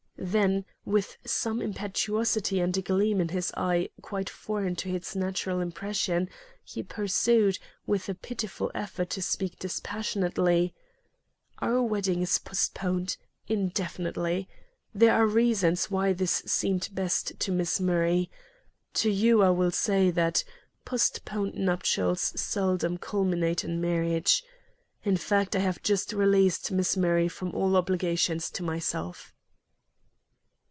Then with some impetuosity and a gleam in his eye quite foreign to its natural expression, he pursued, with a pitiful effort to speak dispassionately: "Our wedding is postponed indefinitely. There are reasons why this seemed best to Miss Murray. To you, I will say, that postponed nuptials seldom culminate in marriage. In fact, I have just released Miss Murray from all obligations to myself."